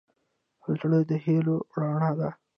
زړه د هيلو رڼا ده.